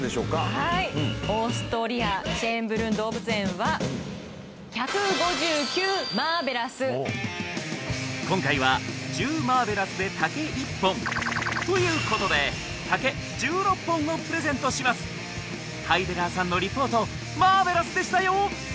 はいオーストリアシェーンブルン動物園は今回は１０マーベラスで竹１本ということでハイデラーさんのリポートマーベラスでしたよ！